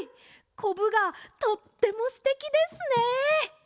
こぶがとってもすてきですね！